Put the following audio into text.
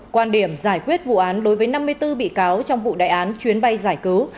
quan điểm giải quyết vụ án đối với năm mươi bốn bị cáo trong vụ đại án chuyến bay giải cứu